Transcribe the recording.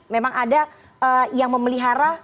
memang ada yang memelihara